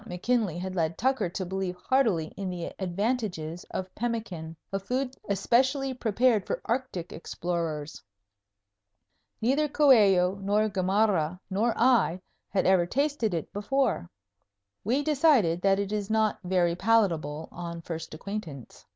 McKinley had led Tucker to believe heartily in the advantages of pemmican, a food especially prepared for Arctic explorers. Neither Coello nor Gamarra nor I had ever tasted it before. We decided that it is not very palatable on first acquaintance.